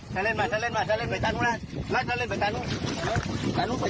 ชาวเล่นมาไปตรงนู้นลาดลาดชาวเล่นไปตรงนู้น